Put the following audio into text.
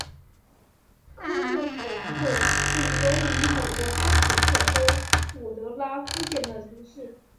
科顿普兰特是一个位于美国阿肯色州伍德拉夫县的城市。